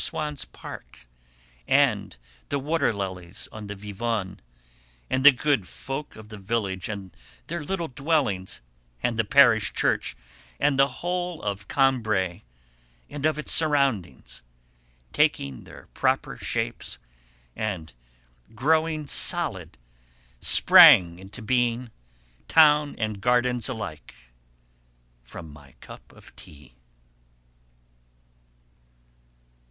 Swann's park, and the water lilies on the Vivonne and the good folk of the village and their little dwellings and the parish church and the whole of Combray and of its surroundings, taking their proper shapes and growing solid, sprang into being, town and gardens alike, from my cup of tea.